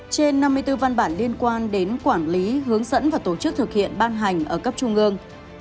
trên năm mươi bốn văn bản liên quan đến quản lý hướng dẫn và tổ chức thực hiện ban hành ở cấp trung ương